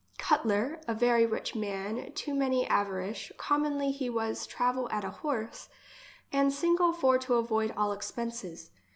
Cuttler, a very rich man too many avari cious, commonly he was travel at a horse, and single (or to avoid all expenses.